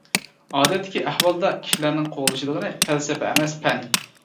ئادەتتىكى ئەھۋالدا كىشىلەرنىڭ قوغلىشىدىغىنى پەلسەپە ئەمەس، پەن.